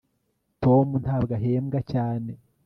tom ntabwo ahembwa cyane